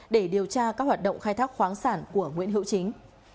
để điều tra các hoạt động khai thác khoáng sản của nguyễn hữu chính